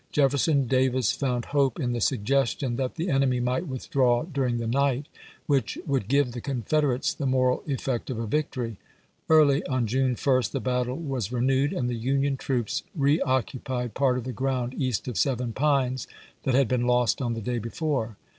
Jefferson Davis found hope in the suggestion that "the enemy might withdraw diu'iug the night, which would give the Confeder ates the moral effect of a victory." Early on June first the battle was renewed, and the Union troops reoccupied part of the ground east of Seven Pines that had been lost on the day before.